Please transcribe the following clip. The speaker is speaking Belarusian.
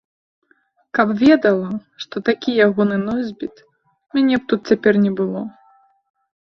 Каб ведала, што такі ягоны носьбіт, мяне б тут цяпер не было.